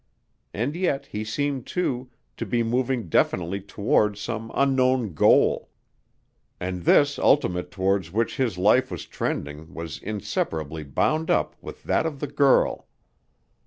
And yet he seemed, too, to be moving definitely towards some unknown goal. And this ultimate towards which his life was trending was inseparably bound up with that of the girl.